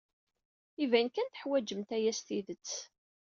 Iban kan teḥwajemt aya s tidet.